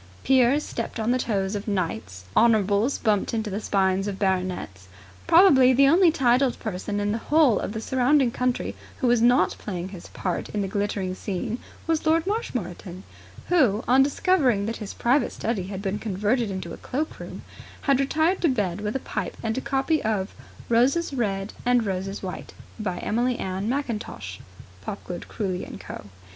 Peers stepped on the toes of knights; honorables bumped into the spines of baronets. Probably the only titled person in the whole of the surrounding country who was not playing his part in the glittering scene was Lord Marshmoreton; who, on discovering that his private study had been converted into a cloakroom, had retired to bed with a pipe and a copy of Roses Red and Roses White, by Emily Ann Mackintosh (Popgood, Crooly & Co.)